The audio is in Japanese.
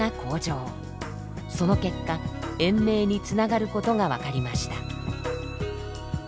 その結果延命につながることが分かりました。